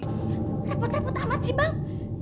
repot repot amat sih bang